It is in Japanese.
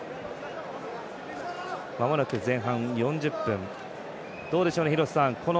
まもなく前半４０分どうでしょう、廣瀬さん。